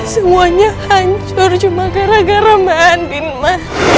semuanya hancur cuma gara gara mbak andin ma